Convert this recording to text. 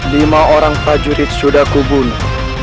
lima orang prajurit sudah kubunuh